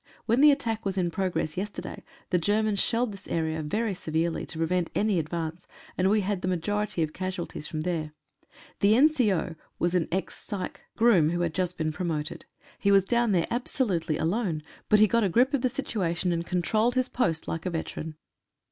When the at tack was in progress yesterday the Germans shelled this area very severely, to prevent any advance, and we had the majority of casualties from there. The N.C.O. was an ex syce (groom) who had just been promoted. He m JAISI RAM, INDIAN HERO. was down there absolutely alone, but he got a grip of the situation, and controlled his post like a veteran.